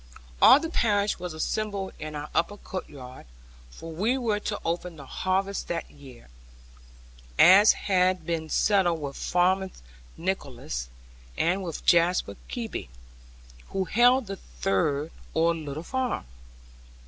All the parish was assembled in our upper courtyard; for we were to open the harvest that year, as had been settled with Farmer Nicholas, and with Jasper Kebby, who held the third or little farm.